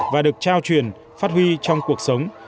và được trao truyền phát huy trong cuộc sống